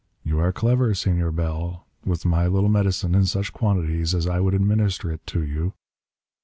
You are clever, Senor Bell. With my little medicine, in such quantities as I would administer it to you...."